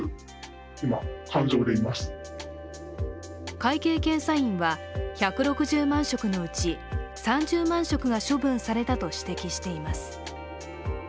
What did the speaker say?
会計検査院は、１６０万食のうち３０万食が処分されたと指摘しています。